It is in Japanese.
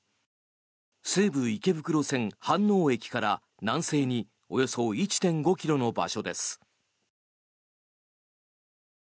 西武池袋線飯能駅から南西におよそ１．５ｋｍの場所です。